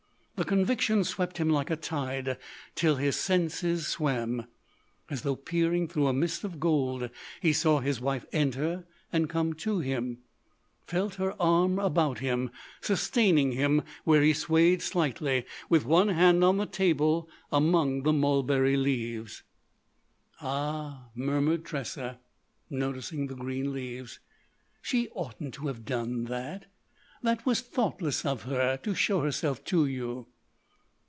The conviction swept him like a tide till his senses swam. As though peering through a mist of gold he saw his wife enter and come to him;—felt her arm about him, sustaining him where he swayed slightly with one hand on the table among the mulberry leaves. "Ah," murmured Tressa, noticing the green leaves, "she oughtn't to have done that. That was thoughtless of her, to show herself to you."